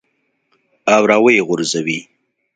او راویې غورځوې.